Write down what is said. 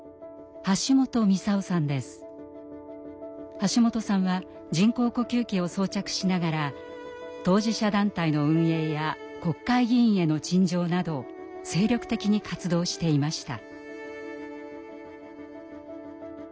橋本さんは人工呼吸器を装着しながら当事者団体の運営や国会議員への陳情など精力的に活動していました。